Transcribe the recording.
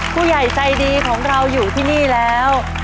ผู้ใหญ่ใจดีของเราอยู่ที่นี่แล้ว